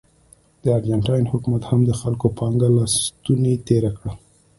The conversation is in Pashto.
د ارجنټاین حکومت هم د خلکو پانګه له ستونې تېره کړه.